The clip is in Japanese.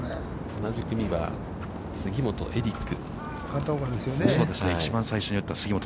同じ組が、杉本エリック。